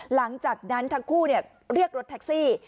หลังจากนั้นทั้งคู่เรียกรถแท็กซี่